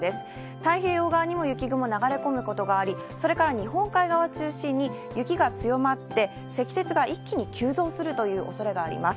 太平洋側にも雪雲、流れ込むことがあり、それから日本海側を中心に雪が強まって、積雪が一気に急増するというおそれがあります。